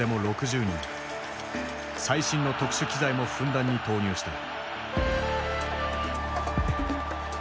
最新の特殊機材もふんだんに投入した。